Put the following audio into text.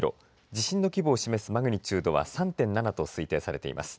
地震の規模を示すマグニチュードは３．７と推定されています。